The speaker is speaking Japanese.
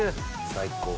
最高。